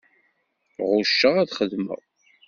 Ɣucceɣ ad xedmeɣ.